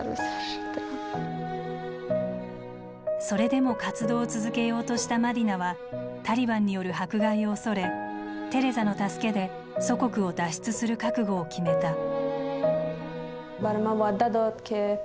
それでも活動を続けようとしたマディナはタリバンによる迫害を恐れテレザの助けで祖国を脱出する覚悟を決めた。